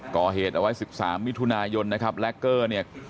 ก่อเหตุเอาไว้๑๓มิถุนายนนะครับแล็กเกอร์เนี่ย